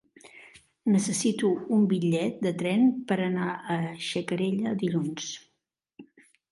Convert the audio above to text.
Necessito un bitllet de tren per anar a Xacarella dilluns.